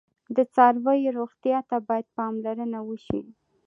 د څارویو روغتیا ته باید پاملرنه وشي.